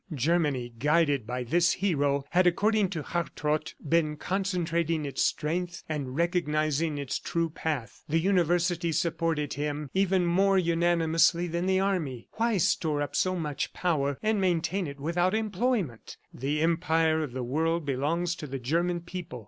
Germany, guided by this hero, had, according to Hartrott, been concentrating its strength, and recognizing its true path. The Universities supported him even more unanimously than the army. Why store up so much power and maintain it without employment? ... The empire of the world belongs to the German people.